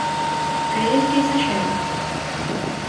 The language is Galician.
Credes que esaxero?